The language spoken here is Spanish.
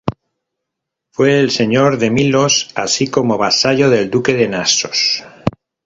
Fue el señor de Milos, así como vasallo del duque de Naxos.